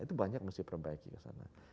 itu banyak yang mesti perbaiki kesana